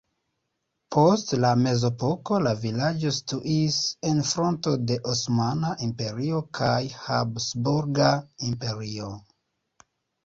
Post la mezepoko la vilaĝo situis en fronto de Osmana Imperio kaj Habsburga Imperio.